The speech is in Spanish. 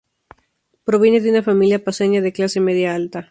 Proviene de una familia paceña de clase media-alta.